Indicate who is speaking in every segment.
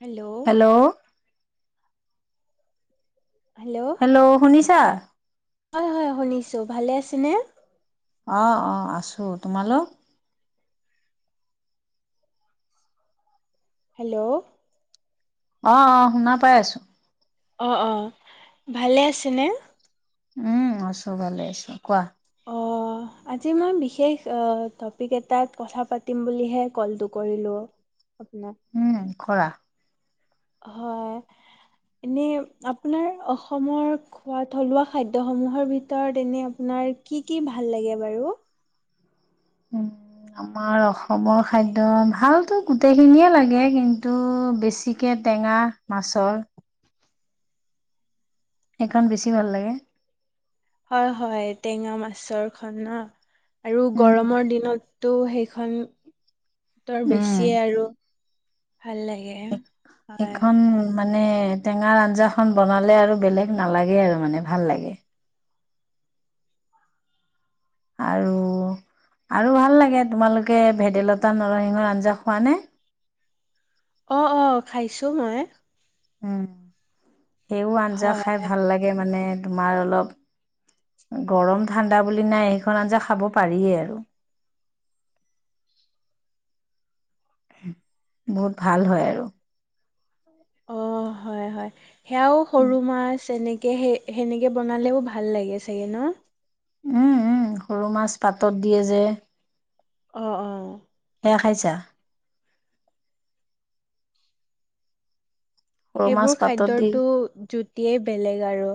Speaker 1: Hello hello
Speaker 2: hello শুনিছা?
Speaker 1: হয় হয় শুনিছো ভালে আছেনে?
Speaker 2: আহ অ আছো তোমালোক?
Speaker 1: হেল্লো'
Speaker 2: অ অ শুনা পাই আছো?
Speaker 1: অ অ ভালে আছে নে।
Speaker 2: উম আছো ভালে আছো কোৱা?
Speaker 1: অ আজি মই বিশেষ টপিক এটাত কথা পাতিম বুলিহে কলটো কৰিলোঁ? আপোনাক?
Speaker 2: উম কৰা
Speaker 1: হয় এনে আপোনাৰ অসমৰ খোৱা থলুৱা খাদ্যসমূহৰ ভিতৰত এনে আপোনাৰ কি কি ভাল লাগে বাৰু?
Speaker 2: উ আমাৰ অসমৰ খাদ্য ভালতো গোটেইখিনিয়ে লাগে কিন্তু বেছিকে টেঙা মাছৰ। সেইখন বেছি ভাল লাগে?
Speaker 1: হয় হয় টেঙা মাছৰ খন ন। আৰু
Speaker 2: উম।
Speaker 1: গৰমৰ দিনত? ত' সেইখন। তৰ
Speaker 2: উম।
Speaker 1: বেছি আৰু। ভাল লাগে হয়।
Speaker 2: সেইখন মানে টেঙাৰ আঞ্জা খ বনালে আৰু বেলেগ নালাগে আৰু মানে ভাল লাগে? আৰু আৰু ভাল লাগে তোমালোকে ভেদাইলতা নৰসিংহৰ আঞ্জা খোৱা নে।
Speaker 1: অঁ অঁ খাইছো মই।
Speaker 2: উম সেইও আঞ্জা
Speaker 1: হয়
Speaker 2: খাই ভাল লাগে মানে? তোমাৰ অলপ গৰম ঠাণ্ডা বুলি নাই সেইখন আঞ্জা খাব পাৰিয়েই আৰু। বহুত ভাল হয় আৰু।
Speaker 1: অঁ হয় হয়। সেয়াও সৰু মাছ এনেকৈ? তাকে সেই সেনেকে বনালেও ভাল লাগে চাগে ন।
Speaker 2: উম উম সৰু মাছ পাতত দিয়ে যে।
Speaker 1: অঁ অঁ
Speaker 2: সেয়া খাইছা? সৰু মাছ
Speaker 1: সেইবোৰ
Speaker 2: পাতত দি
Speaker 1: খাদ্যতটো জুতিয়েই বেলেগ? আৰু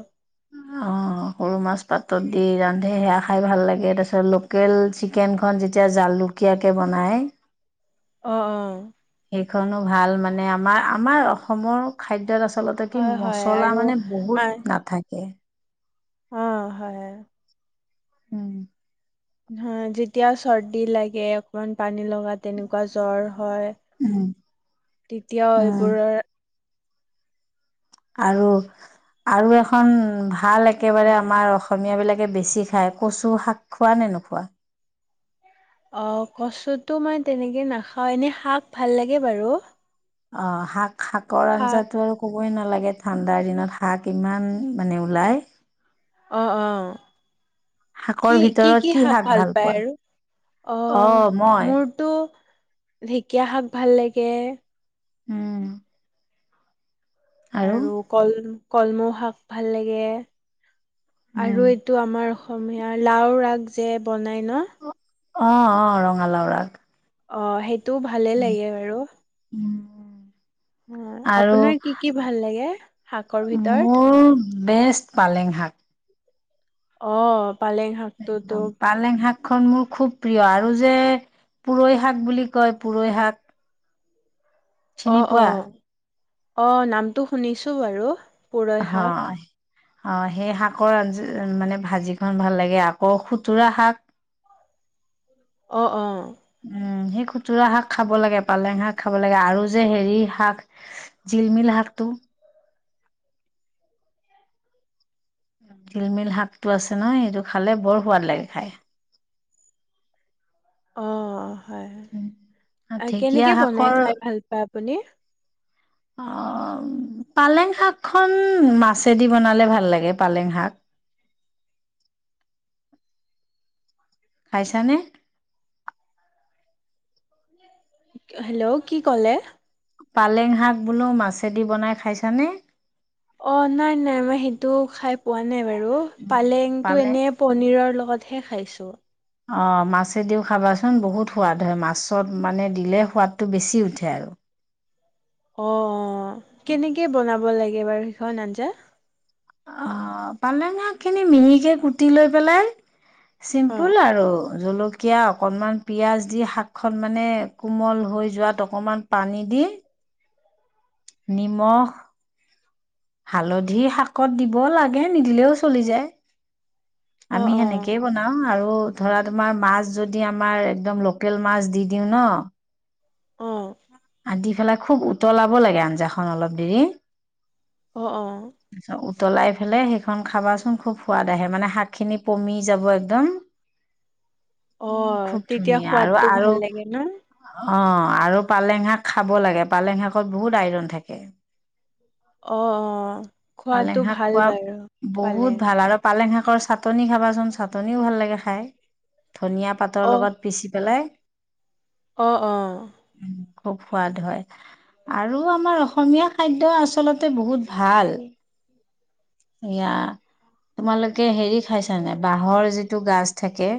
Speaker 2: অঁ সৰু মাছ পাতত দি ৰান্ধে সেয়া খাই ভাল লাগে তাৰপিছত লোকেল চিকেনখন যেতিয়া জালুকীয়াকে বনায়?
Speaker 1: অঁ অঁ
Speaker 2: খনো ভাল মানে আ আমাৰ অসমৰ খাদ্য? আচলতে কি
Speaker 1: হয়, হয়
Speaker 2: মচলা
Speaker 1: আৰু
Speaker 2: মানে
Speaker 1: মা
Speaker 2: বহুত নাথাকে?
Speaker 1: অ অঁহয়।
Speaker 2: উম
Speaker 1: হ যেতিয়া চৰ্দি লাগে অকমান পানী লগ। বা তেনেকুৱা জ্বৰ হয়,
Speaker 2: উম
Speaker 1: তেতিয়াও
Speaker 2: উম
Speaker 1: এইবোৰৰ।
Speaker 2: আৰু আৰু এখন। ভাল, একেবাৰে
Speaker 1: হয়।
Speaker 2: আমাৰ অসমীয়া বিলাক। বেছি খাই, কচু শাক খোৱা নে নোখোৱা?
Speaker 1: অঁ কচুটো মই তেনেকে নাখাও এনে, শাক ভাল লাগে বাৰু।
Speaker 2: অঁ, শাক। শাকৰ
Speaker 1: শাক
Speaker 2: আঞ্জাতটো আৰু। কইবই নালাগে ঠাণ্ডাৰ দিনত, শাক ইমান মানে ওলায়।
Speaker 1: অঁ অঁ কি কি কি শাক ভাল পায় আৰু? অঁ মোৰটো। ঢেকীয়া শাক ভাল লাগে।
Speaker 2: উম।
Speaker 1: আৰু কল। কলমৌ শাক ভাল লাগে।
Speaker 2: উম
Speaker 1: আৰু এইটো আমাৰ। অসমীয়া লাও আগ, যে বনাই। ন।
Speaker 2: অঁ অঁ ৰঙালাও আক।
Speaker 1: অঁ, সেইটো টো, ভালে লাগে বাৰু।
Speaker 2: উম
Speaker 1: অ,
Speaker 2: আৰু
Speaker 1: আপোনাৰ কি কি ভাল লাগে শাকৰ ভিতৰত।
Speaker 2: মোৰ বেষ্ট, পালেং শাক।
Speaker 1: অঁ। পালেং, হাকত তো।
Speaker 2: শাক খন মোৰ খুব প্ৰিয়, আৰু যে পুৰৈ শাক বুলি কয় পুৰৈ শাক।
Speaker 1: অ
Speaker 2: চিনি
Speaker 1: অ।
Speaker 2: পোৱা
Speaker 1: অ, নামটো শুনিছো বাৰু। পুৰৈ
Speaker 2: অঁ
Speaker 1: শাক।
Speaker 2: অ সেই শাকৰ আঞ্জ মানে ভাজিখন ভাল লাগে, আকৌ খুতুৰা শাক।
Speaker 1: অ অ।
Speaker 2: উম সেই খুতুৰা শাক খাব লাগে পালেং শাক খাব লাগে আৰু যে হেৰি শাক জিলমিল শাকটো। তিলমিল শাকটো আছে ন, এইটো খালে বৰ সোৱাদ লাগে খাই।
Speaker 1: অ, হয় হয়
Speaker 2: ঢেকীয়া
Speaker 1: কেনেকে বনাই
Speaker 2: শাকৰ
Speaker 1: খাই ভাল পোৱা? আপুনি?
Speaker 2: আহ, পালেং শাক খন মাছেদি বনালে ভাল লাগে পালেং শাক। খাইছানে?
Speaker 1: হেল্ল' কি কলে?
Speaker 2: পালেং শাক বোলো মাছেদি বনাই খাইছানে?
Speaker 1: অ নাই নাই মই সেইটো খাই পোৱা বাৰু পালেংটো
Speaker 2: পালে
Speaker 1: এনে পনিৰৰ লগত ঘৰত হেখাইছোঁ
Speaker 2: অঁ মাছেদিও খাবাচোন বহুত সোৱাদ হয় মাছত মানে দিলে সোৱাদটো বেছি উঠে আৰু
Speaker 1: অ কেনেকে বনাব লাগে বাৰু সিখন আঞ্জা
Speaker 2: অ পালেং শাক খিনি মিহিকে কুটি লৈ পেলাই
Speaker 1: অ
Speaker 2: চিম্পুল আৰু জলকীয়া একয়া অকনমান পিয়াজ দি শাক খন মানে কোমল হৈ যোৱাত অকণমান পানী দি নিমখ হালধি শাকত দিব লাগে নিদিলেও চলি যায়।
Speaker 1: অ
Speaker 2: আমি
Speaker 1: অ
Speaker 2: সেনেকেই বনাও আৰু ধৰা তোমাৰ মাছ যদি আমাৰ একদম লোকেল মাছ দি দিওঁ ন
Speaker 1: অ
Speaker 2: অ দি পেলাই খুব উতলাব লাগে আঞ্জাখন অলপ দেৰি
Speaker 1: অঁ অঁ
Speaker 2: উতলাই ফেলাই সেইখন খন খাবাচোন খুব সোৱাদ আহে মানে শাক খিনি পমি যাব একদম
Speaker 1: অ
Speaker 2: উ খুব
Speaker 1: তেতিয়া
Speaker 2: ধুনীয়া আৰু
Speaker 1: সোৱাদটো
Speaker 2: আৰু
Speaker 1: ভাল লাগে ন
Speaker 2: অ আৰু পালেং শাক খাব লাগে পালেং শাকত বহুত আইৰন থাকে।
Speaker 1: অ', - অ',
Speaker 2: পালেং
Speaker 1: খোৱাটো
Speaker 2: শাক
Speaker 1: ভাল
Speaker 2: খোৱা
Speaker 1: বাৰু
Speaker 2: বহুত
Speaker 1: পালেং
Speaker 2: ভাল, আৰু পালেং শাক, চাটনি খাবাচোন চাটনিও ভাল লাগে খাই। ধুনিয়া পাতৰ লগত পিচি পেলাই,
Speaker 1: অ'-অ'।
Speaker 2: খুব সোৱাদ হয় আৰু আমাৰ অসমীয়া খাদ্য আচলতে বহুত ভাল। এয়া তোমালোকে হেৰি খাইছানে বাঁহৰ যিটো গাজ থাকে।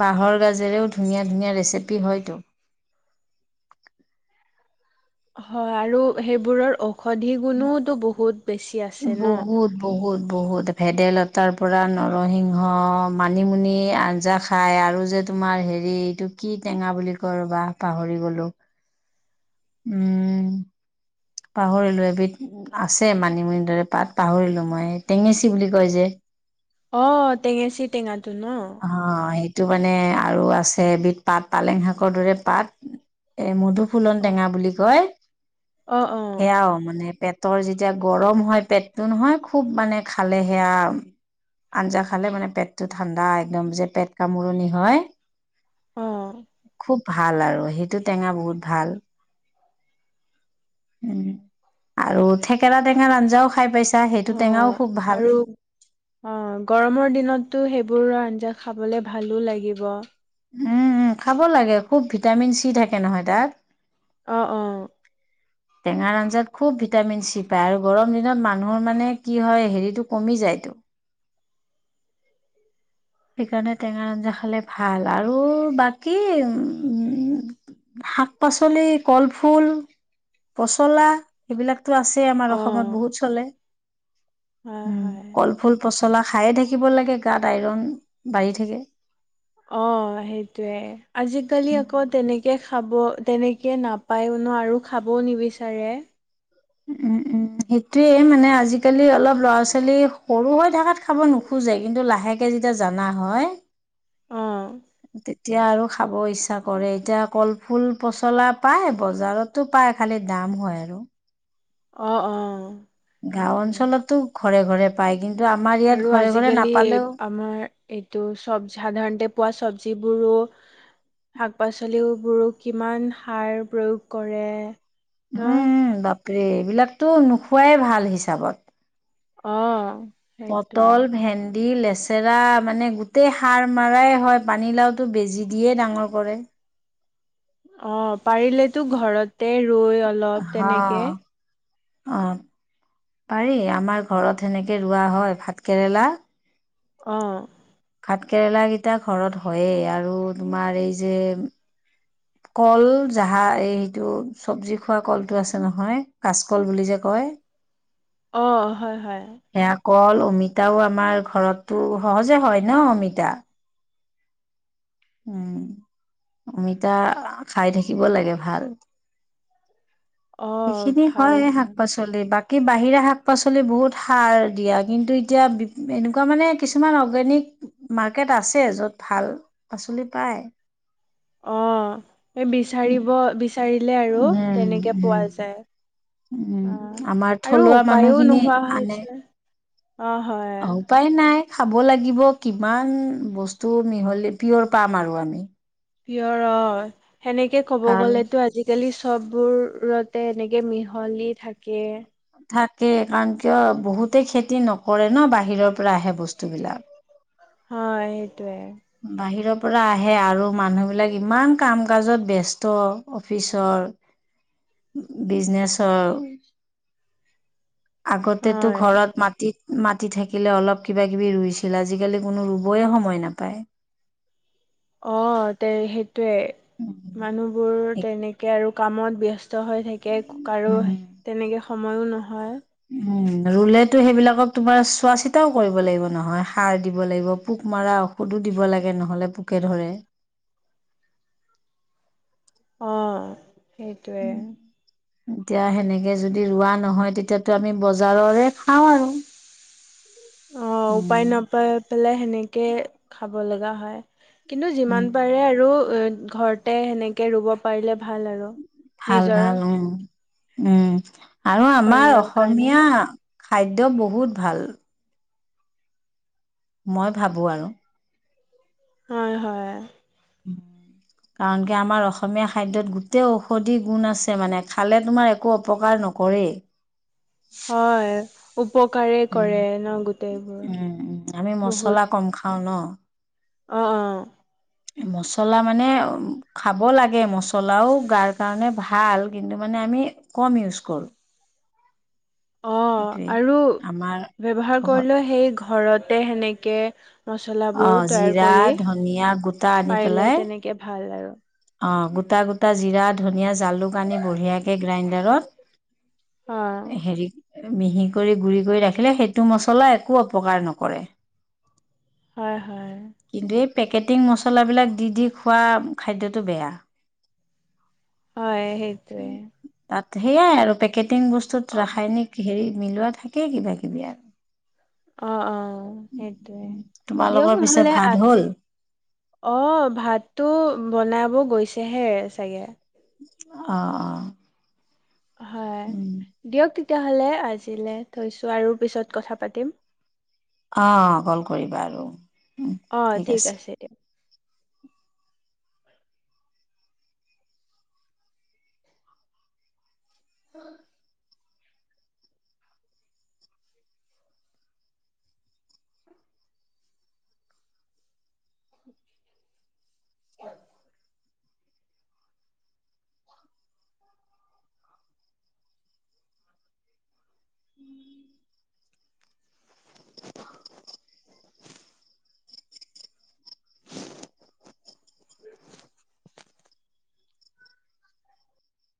Speaker 2: বাঁহৰ গাজেৰেও ধুনীয়া ধুনীয়া ৰেচিপি হয়তো।
Speaker 1: হয় আৰু সেইবোৰৰ অ'। ঔষধি গুণো ওতো বহুত বেছি আছে ন।
Speaker 2: বহুত বহুত বহুত ভেদাইলতাৰ পৰা নৰসিংহ, মানিমুনি আঞ্জা খাই আৰু যে তোমাৰ হেৰি এইটো কি টেঙা বুলি কয় ৰবা পাহৰি গলো। উম। পাহৰিলো এবিধ আছে মানিমুনি দৰে পাত পাহৰিলো মই টেঙেচি বুলি কয় যে।
Speaker 1: অ' টেঙেচি টেঙা।
Speaker 2: অ' এই। টো মানে আৰু আছে এবিধ পাত, পালেং শাকৰ দৰে পাত এ মোৰটো। ফুলন
Speaker 1: অ
Speaker 2: টেঙা বুলি কয়।
Speaker 1: অ অ
Speaker 2: সেয়াও মানে পেট। তৰ যেতিয়া গৰম হয় পেটতটো নহয়, খুব মানে খালে সেয়া, আঞ্জা খালে মানে পেটটো ঠাণ্ডা একদম যে পেট কামোৰণি হয়।
Speaker 1: অ
Speaker 2: খুব। ভাল আৰু সেইটো টেঙা বহুত ভাল। উম আৰু থেকেৰা টেঙাৰ আঞ্জাও খাই পাইছে
Speaker 1: অ' আৰু অ' গৰমৰ দিনতো সে। ঘৰুৱা আঞ্জা - খাবলৈ ভালো লাগিব।
Speaker 2: উম উ খাব লাগে খুব ভিটামিন চি থাকে নহয় তাত।
Speaker 1: অ', - অ',
Speaker 2: টেঙাৰ আঞ্জাত খুব ভিটামিন চি পায় আৰু গৰম দিনত মানুহৰ মানে কি হয় হেৰিটো কমি যায় তো। সেইকাৰণে টেঙা আঞ্জা খালে ভাল আৰু বাকী উ- উ শাক-পাচলি, কলফুল, পচলা এইবিলাক। তো আছেই আমাৰ
Speaker 1: অ
Speaker 2: অসমত বহুত চলে।
Speaker 1: হয়
Speaker 2: উম
Speaker 1: হয়
Speaker 2: কলফুল, পচলা। খায়ে থাকিব লাগে গাত আইৰণ - বাঢ়ি থাকে।
Speaker 1: অ সেইটোৱে আজিকালি আকৌ তেনেকে। খাব তেনেকে নাপায়নো আৰু খাবও নিবিচাৰে,
Speaker 2: উম', - উম ', সেই সেইটোৱে মানে আজিকালি অলপ, ল'ৰা-ছোৱালী সৰু হৈ থাকাত খাব নোখোজে কিন্তু লাহেকে যেতিয়া জানা হয়
Speaker 1: অ
Speaker 2: তেতিয়া আৰু, খাব ইচ্ছা কৰে, এতিয়া কলফুল পচলা পায়। বজাৰতো পায় খালি দাম হয়, আৰু
Speaker 1: অ', - অ',
Speaker 2: গাঁও
Speaker 1: সেইটোৱে
Speaker 2: অঞ্চলতো, ঘৰে-ঘৰে পায়। কিন্তু আমাৰ ইয়াত
Speaker 1: আৰু
Speaker 2: ঘৰে ঘৰে
Speaker 1: আজিকালি
Speaker 2: নাপালেও
Speaker 1: আমাৰ এইটো চবজ সাধাৰণতে পোৱা চবজ, যিবোৰো শাক-পাচলিবোৰো কিমান সাৰ প্ৰয়োগ কৰে। ন
Speaker 2: উম', - উম ', বাপ ৰে এইবিলাকতো নোখোৱাই ভাল হিচাপত,
Speaker 1: অ', সেইটোৱে
Speaker 2: পটল, ভেন্দী দি, লেচেৰা মানে গোটেই সাৰ মাৰায় হয়। পানীলাওটো বেজি দিয়ে ডাঙৰ কৰে।
Speaker 1: অ', পাৰিলেতো ঘৰতে ৰুই অলপ
Speaker 2: হ।
Speaker 1: তেনেকে,
Speaker 2: অ', পাৰি আমাৰ ঘৰত সেনেকে ৰোৱা হয় ভাত- কেৰেলা
Speaker 1: অ',
Speaker 2: ভাত কেৰেলা কেইটা ঘৰত হয়েই আৰু তোমাৰ এই যে', - কল জাহা এই সেইটো চবজি খোৱা কলটো আছে নহয় কাচ কল বুলি যে কয়
Speaker 1: অ', হয়', - হয়',
Speaker 2: কল-অমিতাও আমাৰ ঘৰতটো সহজে হয় ন', অমিতা উম', অমিতা খাই থাকিব লাগে ভাল।
Speaker 1: অ',
Speaker 2: সেইখিনি
Speaker 1: ভাল
Speaker 2: হয় শাক-পাচলি বাক কি', বাহিৰা শাক-পাচলি বহুত সাৰ দিয়া। কিন্তু এতিয়া এনেকুৱা মানে কিছুমান অৰ্গেনিক মাৰ্কেট আছে, য'ত ভাল পাচলি পায়।
Speaker 1: অ', সেই বিচাৰিব-বিচাৰি লে আৰু
Speaker 2: উম
Speaker 1: তেনেকে
Speaker 2: উম
Speaker 1: পোৱা যায়,
Speaker 2: উম',
Speaker 1: অ',
Speaker 2: আমাৰ
Speaker 1: আৰু
Speaker 2: থলুৱা
Speaker 1: উপায়ো
Speaker 2: মানুহখিনি
Speaker 1: নোহোৱা
Speaker 2: আনে।
Speaker 1: হৈছে অ', হয়।
Speaker 2: অ উপায় নাই খাব লাগিব, কিমান বস্তু মিহলি পিয়ৰ পাম আৰু আমি।
Speaker 1: পিয়ৰ অ', সেনেকে ক'ব
Speaker 2: কাৰণ
Speaker 1: গ'লেতো আজিকালি, চববোৰতে, এনেকে মিহলি থাকে।
Speaker 2: থাকে। কাৰণ কিয় বহুতে খেতি নকৰে ন', বাহিৰৰ পৰা আহে বস্তুবিলাক।
Speaker 1: হয় সেইটোৱে
Speaker 2: বাহিৰত পৰা আহে আৰু মানুহবিলাক ইমান কাম কাজত ব্যস্ত অফিচৰ বিজনেচৰ আগতেতো
Speaker 1: হয়,
Speaker 2: ঘৰত মাটিত মাটি থাকিলে অলপ কিবা কিবি ৰুইছিলে আজিকালি কোনো ৰুবয়ে সময় নাপায়
Speaker 1: অ তে সেই সেইটোৱে মানুহবোৰ তেনেকে আৰু কামত ব্যস্ত ব্যস্ত হৈ থাকে কাৰো
Speaker 2: উম
Speaker 1: তেনেকে সময়ো নহয়
Speaker 2: উম ৰুলেতো সেইবিলাকক তোমাৰ চোৱা চিতাও কৰিব লাগিব নহয় সাৰ দিব লাগিব পোক মৰা ঔষধো দিব লাগে নহলে পোকে ধৰে
Speaker 1: অ সেইটোৱে
Speaker 2: এতিয়া সেনেকে যদি ৰোৱা নহয় তেতিয়াতো আমি বজাৰৰে খাও আৰু
Speaker 1: অ উপায়
Speaker 2: উম
Speaker 1: নাপাই পেলাই সেনেকে সেনেকে খাব লগা হয় কিন্তু
Speaker 2: উম
Speaker 1: যিমান পাৰে আৰু ঘৰতে সেনেকে ৰুব পাৰিলে ভাল আৰু
Speaker 2: ভাল
Speaker 1: নিজৰ
Speaker 2: ভাল উম উম আৰু আমাৰ
Speaker 1: শৰীৰৰ কাৰণে
Speaker 2: অসমীয়া। খাদ্য বহুত ভাল। মই ভাবোঁ আৰু।
Speaker 1: হয় হয়।
Speaker 2: কাৰণ কি আমাৰ অসমীয়া খাদ্যত গোটেই ঔষধি গুণ আছে মানে খালে তোমাৰ একো অপকাৰ নকৰেই।
Speaker 1: হয়। উপকাৰে
Speaker 2: উম
Speaker 1: কৰে ন গোটেইবোৰ
Speaker 2: উম উম আমি মচলা কম খাওঁ ন।
Speaker 1: অহ অ
Speaker 2: মচলা মানে খাব লাগে মছলাও গাৰ কাৰণে ভাল কিন্তু মানে আমি কম ইউজ কৰোঁ।
Speaker 1: অ
Speaker 2: সেইটোৱে
Speaker 1: আৰু
Speaker 2: আমাৰ
Speaker 1: ব্যৱহাৰ
Speaker 2: অসমত
Speaker 1: কৰিলে সেই। ঘৰতে সেনেকে।
Speaker 2: অ
Speaker 1: মচলাবোৰ তৈয়াৰ
Speaker 2: জিৰা
Speaker 1: কৰি
Speaker 2: ধনিয়া গোটা আনি
Speaker 1: পাৰিলে
Speaker 2: পেলাই
Speaker 1: তেনেকে ভাল আৰু।
Speaker 2: অ গোটা গোটা জিৰা ধনিয়া জাল জালুক আনি বঢ়িয়াকে গ্ৰাইণ্ডাৰত
Speaker 1: অ'
Speaker 2: হেৰি মিহি কৰি গুড়ি কৰি ৰাখিলে সেইটো মছলা একো অপকাৰ নকৰে।
Speaker 1: হয় হয়
Speaker 2: কিন্তু এই পেকেটিং মছলাবিলাক দি দি খোৱা খাদ্যত। টো বেয়া।
Speaker 1: হয় সেইটোৱে
Speaker 2: তাত সেইয়াই আৰু পেকেট। টিং বস্তুতো
Speaker 1: অ'
Speaker 2: ৰাসায়নিক হেৰি মিলোৱা থাকেই কিবা কিবি আৰু।
Speaker 1: অ অ সেইটোয়ে দিয়ক
Speaker 2: তোমালোকৰ পিছে
Speaker 1: নহ'লে
Speaker 2: ভাত
Speaker 1: আজি।
Speaker 2: হ'ল?
Speaker 1: অ ভাতটো বনাব গৈছেহে চাগে।
Speaker 2: অ অ উম
Speaker 1: তেতিয়া হ'লে আজিলে থৈছোঁ আৰু পিছত কথা পাতিম।
Speaker 2: অ কল কৰিবা আৰু ঠিক আছে।
Speaker 1: উ উ উম [inaudible]